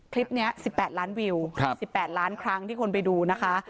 คลิปนี้๑๘ล้านวิว๑๘ล้านครั้งที่คนไปดูนะคะ